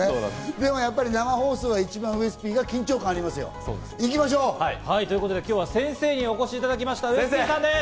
でもやっぱり生放送は一番ウエスＰが緊張感ありますよ。ということで、今日は先生にお越しいただきました、ウエスＰさんです。